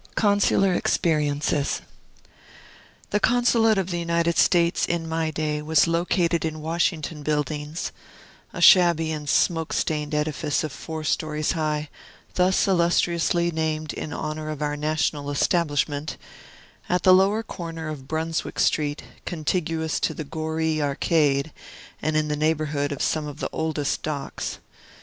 CONSULAR EXPERIENCES. The Consulate of the United States, in my day, was located in Washington Buildings (a shabby and smoke stained edifice of four stories high, thus illustriously named in honor of our national establishment), at the lower corner of Brunswick Street, contiguous to the Gorec Arcade, and in the neighborhood of scone of the oldest docks.